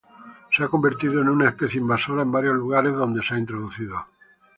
Se ha convertido en una especie invasora en varios lugares donde se ha introducido.